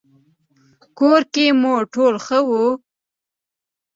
کور کې مو ټول ښه وو؟